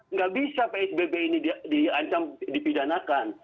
nggak bisa psbb ini diancam dipidanakan